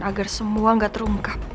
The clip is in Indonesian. agar semua gak terungkap